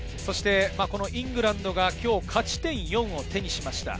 イングランドは勝ち点４を手にしました。